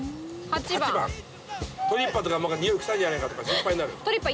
トリッパとかにおい臭いんじゃないかとか心配になる。